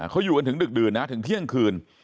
เขาอยู่กันถึงดึกดื่นนะถึงเที่ยงคืน